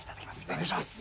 お願いします。